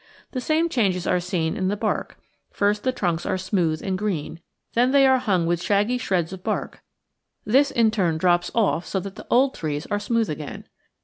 The same changes are seen in the bark: first the trunks are smooth and green; then they are hung with shaggy shreds of bark; this in turn drops off so that the old trees are smooth again.